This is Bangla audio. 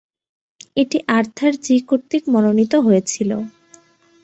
এটি আর্থার জি কর্তৃক মনোনীত হয়েছিল।